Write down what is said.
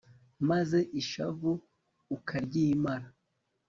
maze ishavu ukaryimara